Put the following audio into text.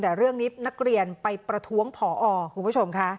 แต่เรื่องนี้นักเรียนไปประท้วงผอคุณผู้ชมค่ะ